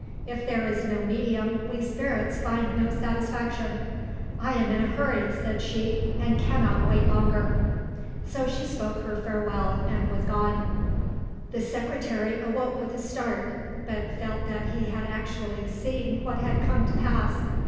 If there is no medium we spirits find no satisfaction. I am in a hurry," said she, "and cannot wait longer," so she spoke her farewell and was gone. The secretary awoke with a start, but felt that he had actually seen what had come to pass.